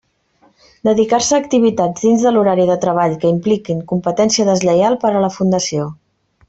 Dedicar-se a activitats dins de l'horari de treball que impliquen competència deslleial per a la fundació.